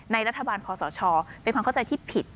รัฐบาลคอสชเป็นความเข้าใจที่ผิด